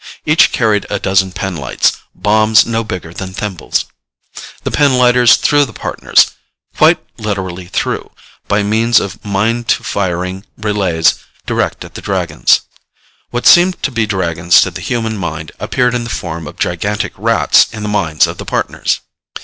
Each carried a dozen pinlights, bombs no bigger than thimbles. The pinlighters threw the Partners quite literally threw by means of mind to firing relays direct at the Dragons. What seemed to be Dragons to the human mind appeared in the form of gigantic Rats in the minds of the Partners.